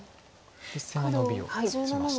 実戦はノビを打ちました。